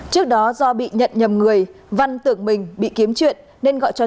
trước đó do bị nhận nhầm người văn tưởng mình bị kiếm chuyện